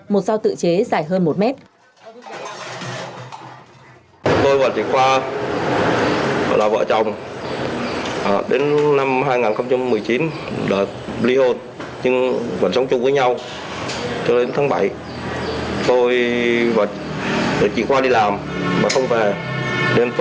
một dao tự chế dài hơn một mét